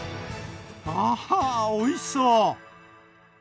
わはおいしそう！